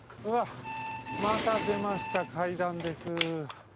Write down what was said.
うわっまたでました階段です。